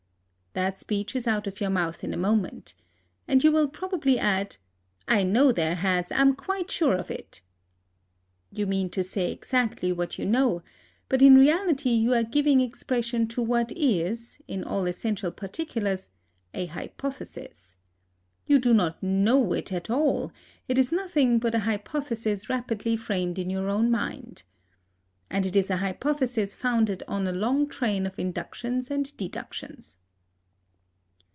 That speech is out of your mouth in a moment. And you will probably add, "I know there has; I am quite sure of it!" You mean to say exactly what you know; but in reality you are giving expression to what is, in all essential particulars, an hypothesis. You do not KNOW it at all; it is nothing but an hypothesis rapidly framed in your own mind. And it is an hypothesis founded on a long train of inductions and deductions.